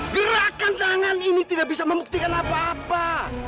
gerakan tangan ini tidak bisa membuktikan apa apa